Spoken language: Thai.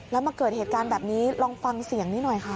แล้วมาเกิดเหตุการณ์แบบนี้ลองฟังเสียงนี้หน่อยค่ะ